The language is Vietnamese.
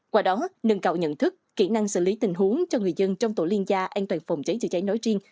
qua đó nâng cao nhận thức kỹ năng xử lý tình huống cho người dân trong tổ liên gia an toàn phòng cháy chữa cháy nói riêng